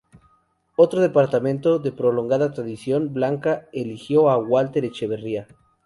Otro departamento de prolongada tradición blanca, eligió a Walter Echeverría.